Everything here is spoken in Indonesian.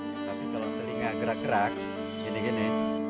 tapi kalau telinga gerak gerak gede gede